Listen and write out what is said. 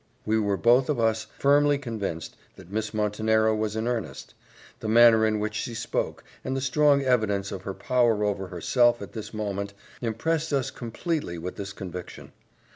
We were both of us firmly convinced that Miss Montenero was in earnest; the manner in which she spoke, and the strong evidence of her power over herself at this moment, impressed us completely with this conviction.